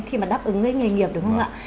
khi mà đáp ứng cái nghề nghiệp đúng không ạ